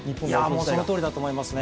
そのとおりだと思いますね。